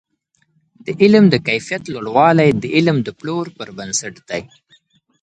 د علم د کیفیت لوړوالی د علم د پلور پر بنسټ دی.